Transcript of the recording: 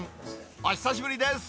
お久しぶりです。